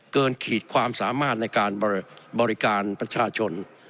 ขีดความสามารถในการบริการประชาชน